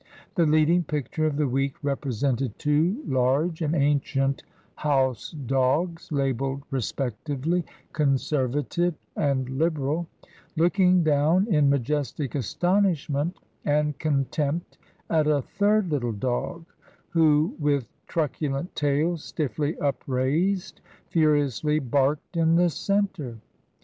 The leading picture of the week re presented two large and ancient house dogs, labelled re spectively " Conservative" and " Liberal," looking down in majestic astonishment and contempt at a third little dog, who, with truculent tail stiffly upraised, furiously barked in the centre.